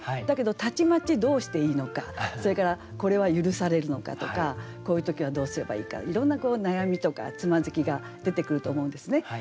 だけどたちまちどうしていいのかそれからこれは許されるのかとかこういう時はどうすればいいかいろんな悩みとかつまずきが出てくると思うんですね。